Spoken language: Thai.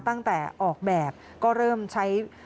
ตั้งแต่ออกแบบก็เริ่มใช้